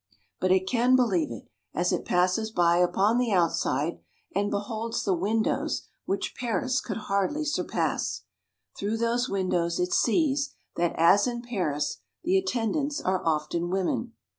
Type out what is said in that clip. But it can believe it, as it passes by upon the outside, and beholds the windows which Paris could hardly surpass. Through those windows it sees that, as in Paris, the attendants are often women.